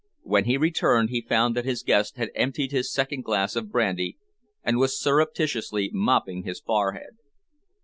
When he returned, he found that his guest had emptied his second glass of brandy and was surreptitiously mopping his forehead.